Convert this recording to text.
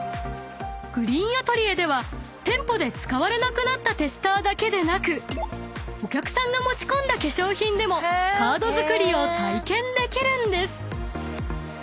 ［ＧＲＥＥＮＡＴＥＬＩＥＲでは店舗で使われなくなったテスターだけでなくお客さんが持ち込んだ化粧品でもカード作りを体験できるんです］